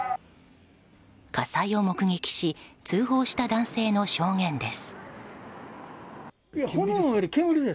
火災を目撃し通報した男性の証言です。